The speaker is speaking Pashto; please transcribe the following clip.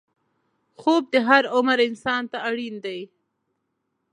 خوب د هر عمر انسان ته اړین دی